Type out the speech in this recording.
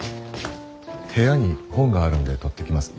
部屋に本があるんで取ってきます。